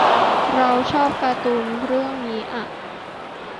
เราชอบการ์ตูนเรื่องนี้อ่ะ